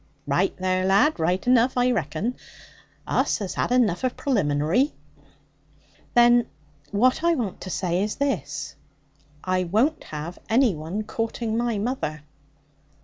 'Raight there, lad; raight enough, I reckon. Us has had enough of pralimbinary.' 'Then what I want to say is this I won't have any one courting my mother.'